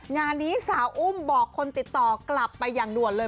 งานนี้สาวอุ้มบอกคนติดต่อกลับไปอย่างด่วนเลย